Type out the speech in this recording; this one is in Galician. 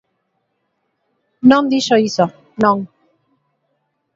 Non dixo iso, non.